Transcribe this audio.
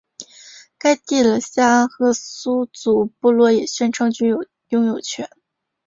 该地的夏安河苏族部落也宣称具有拥有权。